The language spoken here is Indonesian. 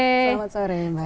selamat sore mbak